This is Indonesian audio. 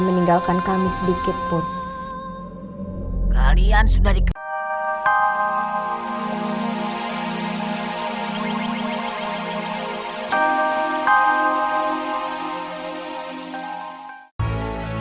meninggalkan kami sedikitpun kalian sudah dikeluarkan